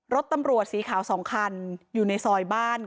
รถตำรวจสีขาว๒คันอยู่ในซอยบ้าน